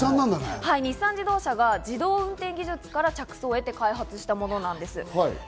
日産自動車が自動運転技術から着想を得て開発したものです。